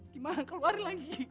gimana keluarin lagi